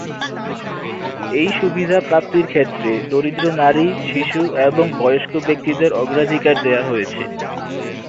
এই সুবিধা প্রাপ্তির ক্ষেত্রে দরিদ্র নারী, শিশু, এবং বয়স্ক ব্যক্তিদের অগ্রাধিকার দেয়া হয়েছে।